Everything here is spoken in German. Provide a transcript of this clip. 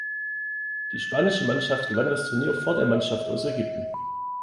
Die spanische Mannschaft gewann das Turnier vor der Mannschaft aus Ägypten.